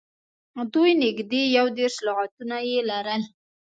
دوی نږدې یو دېرش لغاتونه یې لرل.